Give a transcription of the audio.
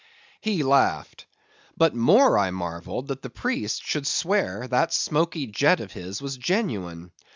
He laughed. But more I marvelled that the priests should swear that smoky jet of his was genuine.